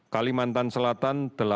kalimantan juga tersebut